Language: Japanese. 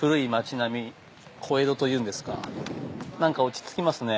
なんか落ち着きますね